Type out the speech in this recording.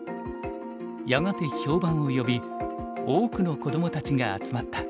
やがて評判を呼び多くの子どもたちが集まった。